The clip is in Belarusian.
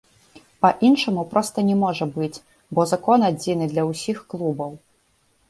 Па-іншаму проста не можа быць, бо закон адзіны для ўсіх клубаў.